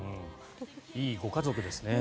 いいご家族ですね。